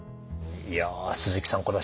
いや鈴木さん